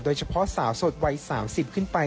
โดยเฉพาะสาวสดวัย๓๐ขึ้นไป